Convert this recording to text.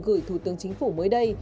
gửi thủ tướng chính phủ mới đây